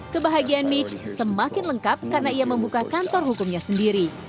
kebahagiaan mitch semakin lengkap karena ia membuka kantor hukumnya sendiri